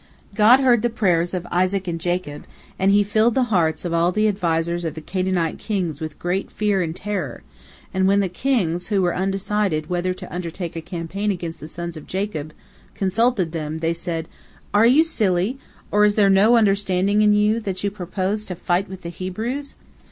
God heard the prayers of Isaac and Jacob, and He filled the hearts of all the advisers of the Canaanite kings with great fear and terror, and when the kings, who were undecided whether to undertake a campaign against the sons of Jacob, consulted them, they said: "Are you silly, or is there no understanding in you, that you propose to fight with the Hebrews?